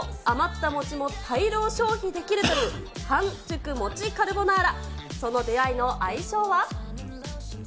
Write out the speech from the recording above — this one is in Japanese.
余った餅も大量消費できるという、半熟餅カルボナーラ、その出会いの相性は。